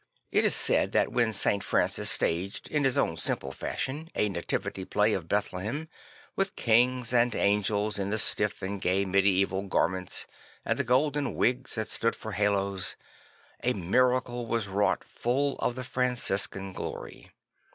I t is said that when St. Francis staged in his own simple fashion a Nativity Play of Bethlehem, with kings and angels in the stiff and gay medieval garments and the golden wigs that stood for haloes, a miracle was wrought full of the Franciscan glory.